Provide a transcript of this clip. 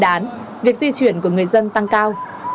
đây là giấy tính nhận kiểm định